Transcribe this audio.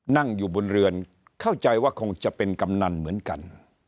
นั่งอยู่บนเรือนเข้าใจว่าคงจะเป็นกำนันเหมือนกัน